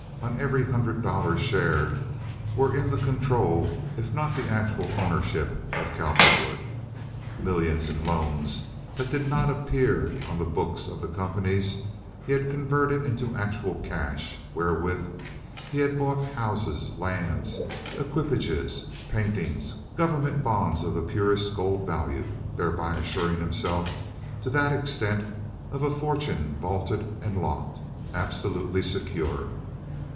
on every hundred dollar share, were in the control, if not in the actual ownership, of Cowperwood. Millions in loans that did not appear on the books of the companies he had converted into actual cash, wherewith he had bought houses, lands, equipages, paintings, government bonds of the purest gold value, thereby assuring himself to that extent of a fortune vaulted and locked, absolutely secure.